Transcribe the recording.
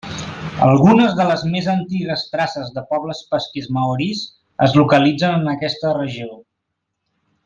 Algunes de les més antigues traces de pobles pesquers maoris es localitzen en aquesta regió.